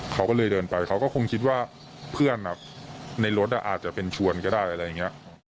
เขาก็เลยเดินไปเขาก็คงคิดว่าเพื่อนในรถอาจจะเป็นชวนก็ได้อะไรอย่างนี้